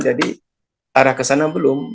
jadi arah ke sana belum